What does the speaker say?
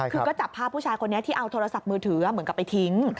คือก็จับภาพผู้ชายคนนี้ที่เอาโทรศัพท์มือถือเหมือนกับไปทิ้ง